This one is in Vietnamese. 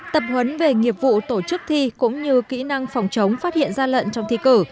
tập huấn về nghiệp vụ tổ chức thi cũng như kỹ năng phòng trống phát hiện gian lận trong thi cử